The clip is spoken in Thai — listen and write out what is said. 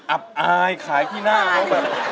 อับอายขายที่หน้าเขา